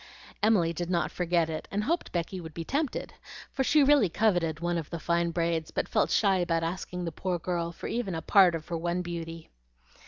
Emily did not forget it, and hoped Becky would be tempted, for she really coveted one of the fine braids, but felt shy about asking the poor girl for even a part of her one beauty.